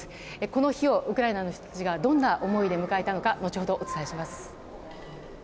この日をウクライナの人たちがどんな思いで迎えたのか後ほどお伝えします。